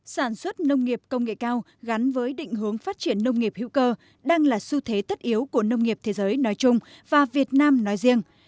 sản xuất nông nghiệp công nghệ cao gắn với định hướng phát triển nông nghiệp hữu cơ đang là xu thế tất yếu của nông nghiệp thế giới nói chung và việt nam nói riêng